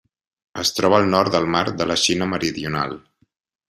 Es troba al nord del mar de la Xina Meridional.